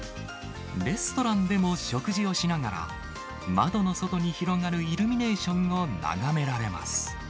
レストランでも食事をしながら、窓の外に広がるイルミネーションを眺められます。